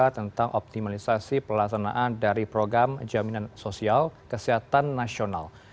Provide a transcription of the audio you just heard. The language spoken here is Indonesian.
tentang optimalisasi pelaksanaan dari program jaminan sosial kesehatan nasional